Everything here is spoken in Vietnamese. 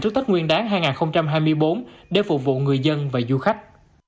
trước tết nguyên đáng hai nghìn hai mươi bốn để phục vụ người dân và du khách